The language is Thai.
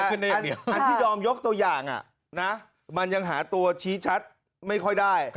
คืออันที่ยอมยกตัวอย่างมันยังหาตัวชี้ชัดไม่ค่อยได้